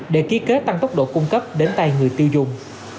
để ký kết tăng tốc độ cung cấp đến tay người tiêu dùng